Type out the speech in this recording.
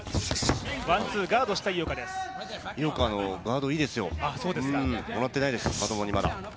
井岡のガードいいですよ、もらってないです、まともにまだ。